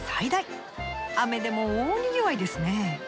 雨でも大にぎわいですね。